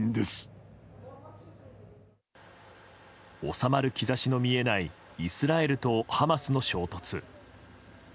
収まる兆しの見えないイスラエルとハマスの衝突。